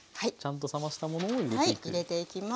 ちゃんと冷ましたものを入れていく。